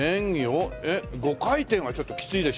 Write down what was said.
えっ５回転はちょっときついでしょ。